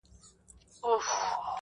ستا شاعري گرانه ستا اوښکو وړې.